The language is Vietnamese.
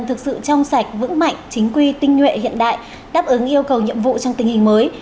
thực sự trong sạch vững mạnh chính quy tinh nhuệ hiện đại đáp ứng yêu cầu nhiệm vụ trong tình hình mới